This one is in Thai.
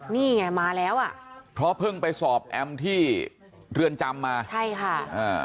นี่ไงมาแล้วอ่ะเพราะเพิ่งไปสอบแอมที่เรือนจำมาใช่ค่ะอ่า